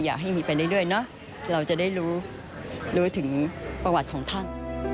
อยากให้มีไปเรื่อยเนอะเราจะได้รู้รู้ถึงประวัติของท่าน